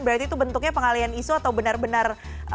berarti itu bentuknya pengalian isu atau benar benar